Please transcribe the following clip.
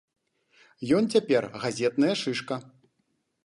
Ён цяпер газетная шышка.